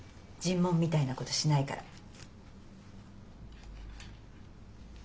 尋問みたいなことしないから。